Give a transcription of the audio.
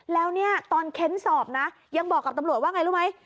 แล้วเนี่ยตอนเค้นสอบนะยังบอกกับตำรวจว่าไงรู้ไหม